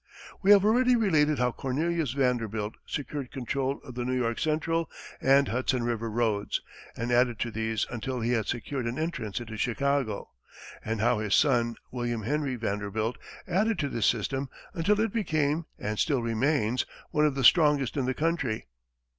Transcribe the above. We have already related how Cornelius Vanderbilt secured control of the New York Central and Hudson River roads, and added to these until he had secured an entrance into Chicago; and how his son, William Henry Vanderbilt, added to this system until it became, and still remains, one of the strongest in the country.